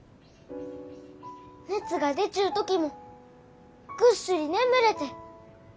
熱が出ちゅう時もぐっすり眠れて。